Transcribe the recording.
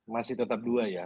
masih tetap dua ya